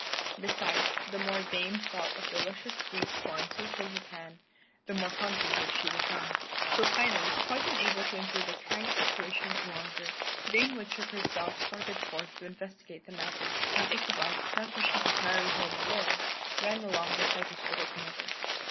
Besides, the more the Dame thought of the luscious sweet corn so close at hand, the more hungry did she become. So finally, quite unable to endure the trying situation longer, Dame Woodchuck herself started forth to investigate the matter. And Ichabod, not wishing to tarry home alone, ran along beside his old mother.